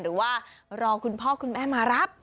หรือว่ารอคุณพ่อคุณแม่มารับ